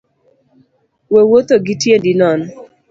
We wuotho gi tiendi nono